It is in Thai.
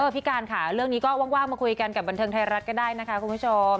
พี่การค่ะเรื่องนี้ก็ว่างมาคุยกันกับบันเทิงไทยรัฐก็ได้นะคะคุณผู้ชม